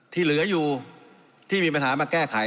ที่เหลืออยู่ที่มีปัญหามาแก้ไข